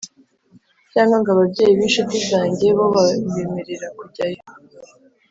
cyangwa ngo ababyeyi b incuti zanjye bo babemerera kujyayo